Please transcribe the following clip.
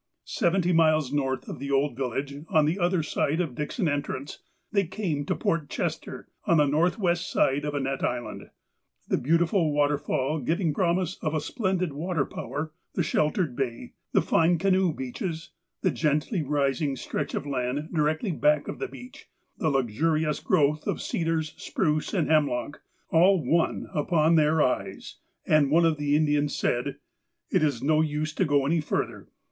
Seventy miles north of the old village, on the other side of Dixon Entrance, they came to Port Chester, on the northwest side of Annette Island. The beautiful water fall, giving promise of a splendid water power, the sheltered bay, the fine canoe beaches, the gently rising stretch of land directly back of the beach, the luxurious growth of cedars, spruce, and hemlock, all won ujdou their eyes, and one of the Indians said :'' It is no use to go any further.